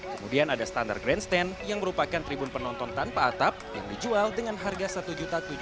kemudian ada standard grandstand yang merupakan tribun penonton tanpa atap yang dijual dengan harga rp satu tujuh ratus dua puluh lima untuk paket akhir pekan